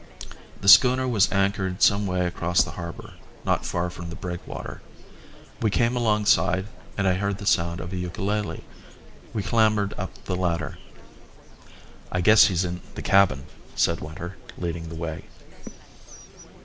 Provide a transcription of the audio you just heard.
The schooner was anchored some way across the harbour, not far from the breakwater. We came alongside, and I heard the sound of a ukalele. We clambered up the ladder. "I guess he's in the cabin," said Winter, leading the way.